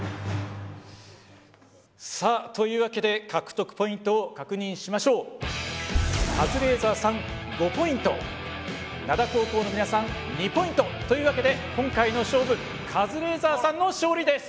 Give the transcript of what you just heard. さあというわけでカズレーザーさん５ポイント灘高校の皆さん２ポイントというわけで今回の勝負カズレーザーさんの勝利です。